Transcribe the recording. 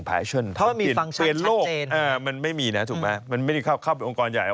เพราะมีฟังก์ชันชัดเจนมันไม่มีนะถูกไหมมันไม่ได้เข้าเป็นองค์กรใหญ่